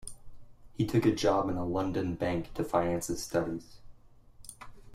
He took a job in a London bank to finance his studies.